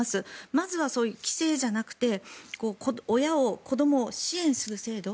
まずは規制じゃなくて親を、子どもを支援する制度